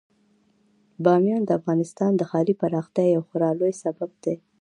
بامیان د افغانستان د ښاري پراختیا یو خورا لوی سبب دی.